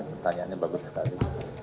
pertanyaannya bagus sekali